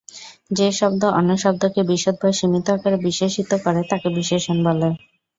যে শব্দ অন্য শব্দকে বিশদ বা সীমিত আকারে বিশেষিত করে তাকে বিশেষণ বলে।